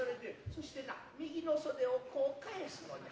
そしてな右の袖をこう返すのじゃ。